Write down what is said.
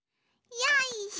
よいしょ。